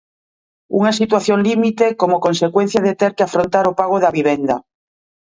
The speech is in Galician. Unha situación límite como consecuencia de ter que afrontar o pago da vivenda.